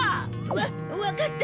わかった。